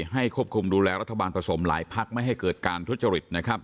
ให้ควบคุมดูแลรัฐบาลผสมหลายพักไม่ให้เกิดการทุจริต